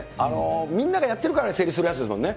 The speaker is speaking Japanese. みんながやってるから、成立するやつですもんね。